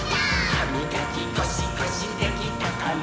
「はみがきゴシゴシできたかな？」